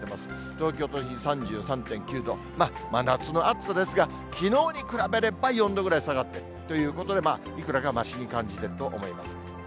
東京都心３３．９度、真夏の暑さですが、きのうに比べれば４度ぐらい下がってということで、いくらかましに感じていると思います。